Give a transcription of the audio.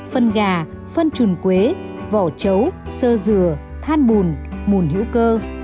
phân gà phân trùn quế vỏ chấu sơ dừa than bùn mùn hữu cơ